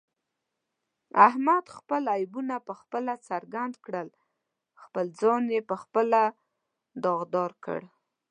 احمد خپل عیبونه په خپله څرګند کړل، خپل ځان یې په خپله داغدارکړ.